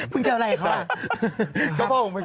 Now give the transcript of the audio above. มึงจะเอาอะไรค่ะ